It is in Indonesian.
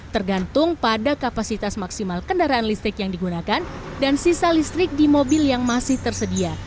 tergantung pada kapasitas maksimal kendaraan listrik yang digunakan dan sisa listrik di mobil yang masih tersedia